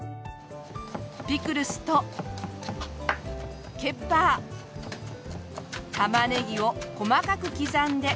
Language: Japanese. ピクルスとケッパータマネギを細かく刻んで。